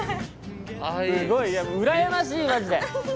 すごいうらやましいマジで。